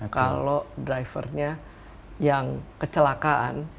kalau drivernya yang kecelakaan